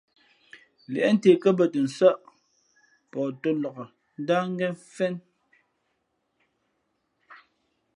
Līēʼ ntě kά bᾱ tα nsά, pαh tō nlak ndáh ngen mfén.